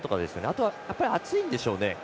あとはやっぱり暑いんでしょうね。